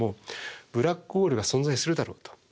ブラックホールが存在するだろうと。